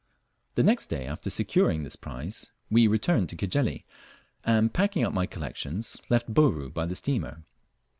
The next day after securing this prize we returned to Cajeli, and packing up my collections left Bouru by the steamer.